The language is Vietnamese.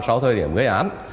sau thời điểm gây án